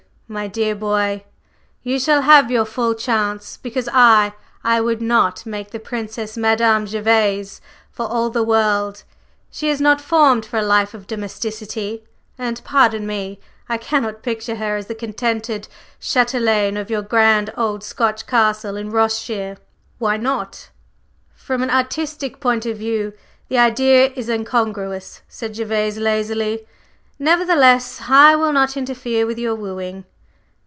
My dear boy, you shall have your full chance. Because I I would not make the Princess Madame Gervase for all the world! She is not formed for a life of domesticity and pardon me I cannot picture her as the contented châtelaine of your grand old Scotch castle in Ross shire." "Why not?" "From an artistic point of view the idea is incongruous," said Gervase lazily. "Nevertheless, I will not interfere with your wooing."